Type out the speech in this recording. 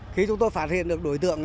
khi chúng tôi phát hiện được đối tượng